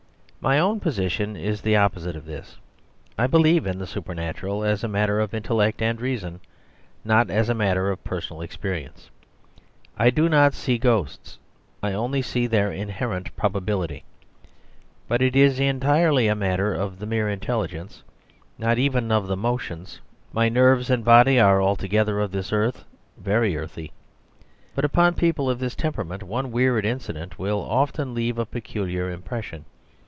My own position is the opposite of this. I believe in the supernatural as a matter of intellect and reason, not as a matter of personal experience. I do not see ghosts; I only see their inherent probability. But it is entirely a matter of the mere intelligence, not even of the motions; my nerves and body are altogether of this earth, very earthy. But upon people of this temperament one weird incident will often leave a peculiar impression.